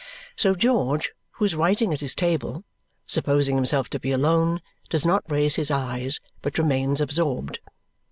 So George, who is writing at his table, supposing himself to be alone, does not raise his eyes, but remains absorbed.